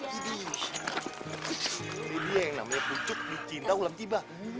sini dia yang namanya puncuk di cinta ulang jiba